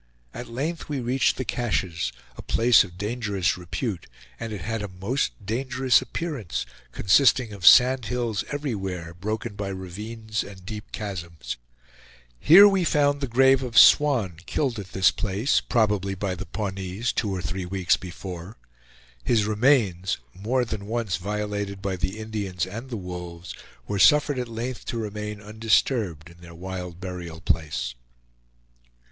At length we reached the Caches, a place of dangerous repute; and it had a most dangerous appearance, consisting of sand hills everywhere broken by ravines and deep chasms. Here we found the grave of Swan, killed at this place, probably by the Pawnees, two or three weeks before. His remains, more than once violated by the Indians and the wolves, were suffered at length to remain undisturbed in their wild burial place.